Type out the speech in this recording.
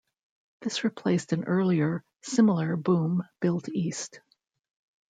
This replaced an earlier, similar boom built east.